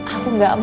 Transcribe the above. aku gak mau